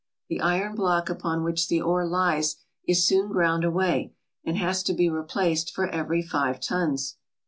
The iron block upon which the ore lies is soon ground away and has to be replaced for every five tons.